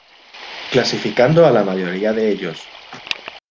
Clasificando a la mayoría de ellos.